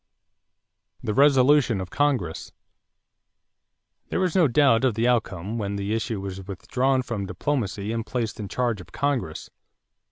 =The Resolution of Congress.= There was no doubt of the outcome when the issue was withdrawn from diplomacy and placed in charge of Congress.